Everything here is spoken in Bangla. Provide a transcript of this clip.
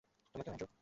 তোমাকেও, অ্যান্ড্রু।